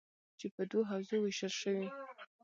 چې په دوو حوزو ویشل شوي: